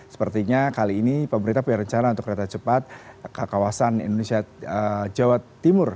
sepertinya kali ini pemerintah punya rencana untuk kereta cepat ke kawasan indonesia jawa timur